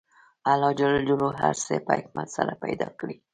الله ج هر څه په حکمت سره پیدا کړي